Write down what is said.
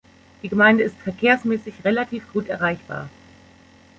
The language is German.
Die Gemeinde ist verkehrsmässig relativ gut erreichbar.